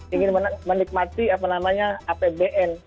ingin menikmati apa namanya apbn